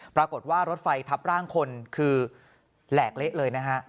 ปรากฏว่ารถไฟทับร่างคนคือแหลกเละเลยนะฮะ